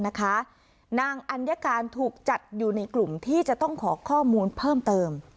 นางอัญการถูกจัดอยู่ในกลุ่มที่จะต้องขอข้อมูลเพิ่มเติม